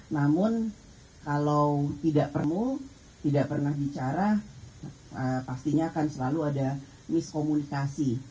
namun kalau tidak perlu tidak pernah bicara pastinya akan selalu ada miskomunikasi